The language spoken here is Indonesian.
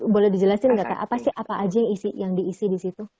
boleh dijelasin nggak kak apa aja yang diisi di situ